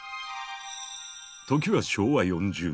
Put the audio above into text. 時は昭和４０年代。